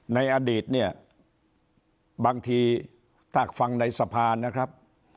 ในอดีตเนี่ยบางทีถ้าฟังในสะพานนะครับ